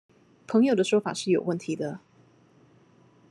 朋友的說法是有問題的